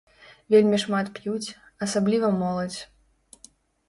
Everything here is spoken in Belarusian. Вельмі шмат п'юць, асабліва моладзь.